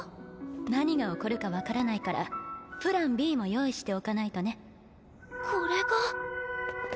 何が起こるか分からないからプランＢも用意しておかないとねコレが。